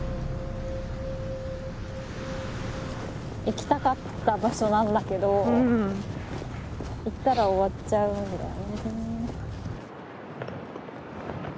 行きたかった場所なんだけど行ったら終わっちゃうんだね。